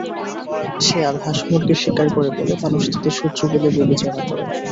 শেয়াল হাঁস-মুরগি শিকার করে বলে মানুষ তাদের শত্রু বলে বিবেচনা করে।